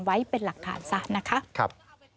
ไว้เป็นหลักฐานซะนะครับครับ